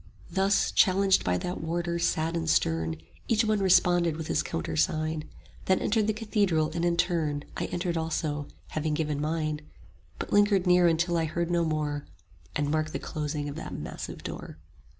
Thus, challenged by that warder sad and stern, Each one responded with his countersign, Then entered the cathedral; and in turn 55 I entered also, having given mine; But lingered near until I heard no more, And marked the closing of the massive door.